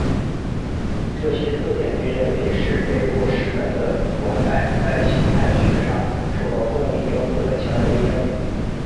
这些特点被认为是北落师门的环带在形态学上受到重力雕刻的强有力证据。